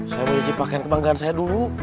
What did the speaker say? saya mau uji pakaian kebanggaan saya dulu